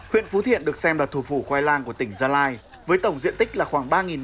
huyện phú thiện được xem là thủ phủ khoai lang của tỉnh gia lai với tổng diện tích là khoảng ba năm trăm linh